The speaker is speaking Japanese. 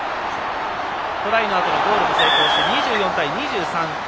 トライのあとのゴールも成功して２４対２３。